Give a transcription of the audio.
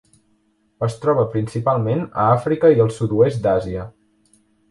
Es troba principalment a Àfrica i al sud-oest d'Àsia.